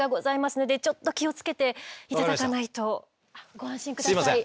ご安心下さい。